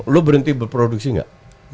lu berhenti berproduksi nggak